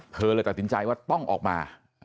เธอเลยตัดสินใจว่าต้องออกมา